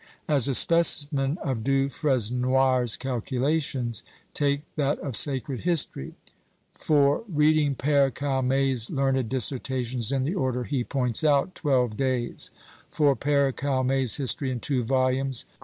As a specimen of Du Fresnoy's calculations, take that of Sacred History. For reading PÃẀre Calmet's learned dissertations in the} order he points out } 12 days For PÃẀre Calmet's History, in 2 vols.